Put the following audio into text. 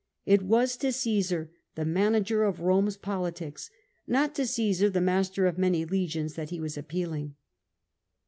It was to Cmsar, the manager of Rome's politics, not to Cmsar, the master of many legions, that he was appealing.